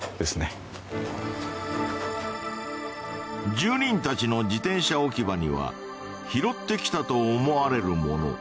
住人たちの自転車置き場には拾ってきたと思われるもの